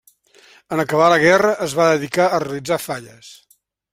En acabar la guerra, es va dedicar a realitzar falles.